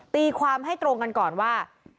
ตีความให้ตรงกันก่อนว่า